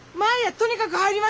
とにかく入りましょ。